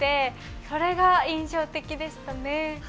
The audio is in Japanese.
それが印象的でしたね。